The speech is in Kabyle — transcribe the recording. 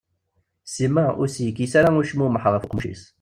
Sima ur as-yekkis ara ucmumeḥ ɣef uqemmuc-is.